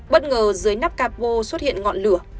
bất ngờ dưới nắp capo xuất hiện ngọn lửa